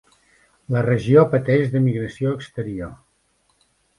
La regió pateix de migració exterior.